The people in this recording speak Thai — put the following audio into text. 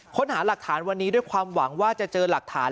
ค้นหาหลักฐานวันนี้ด้วยความหวังว่าจะเจอหลักฐาน